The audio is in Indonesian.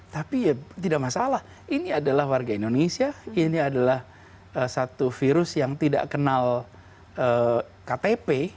tapi ya tidak masalah ini adalah warga indonesia ini adalah satu virus yang tidak kenal ktp